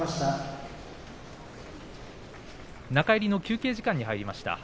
中入りの休憩時間に入りました。